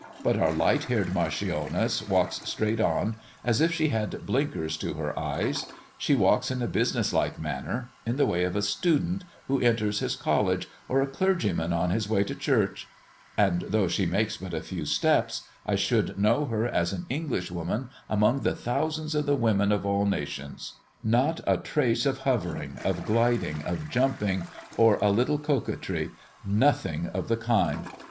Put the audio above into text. But our light haired marchioness walks straight on, as if she had blinkers to her eyes; she walks in a business like manner in the way of a student who enters his college, or a clergyman on his way to church; and though she makes but a few steps, I should know her as an English woman among the thousands of the women of all nations. Not a trace of hovering, of gliding, of jumping, or a little coquetry; nothing of the kind.